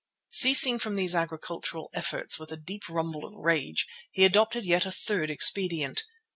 Ceasing from these agricultural efforts with a deep rumble of rage, he adopted yet a third expedient.